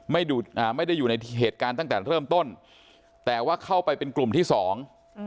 ดูอ่าไม่ได้อยู่ในเหตุการณ์ตั้งแต่เริ่มต้นแต่ว่าเข้าไปเป็นกลุ่มที่สองอืม